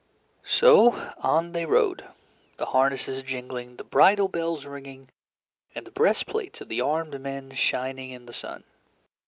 So on they rode, the harnesses jingling, the bridle bells ringing, and the breastplates of the armed men shining in the sun.